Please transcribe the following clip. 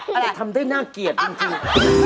เดี๋ยวทำได้น่าเกลียดจริง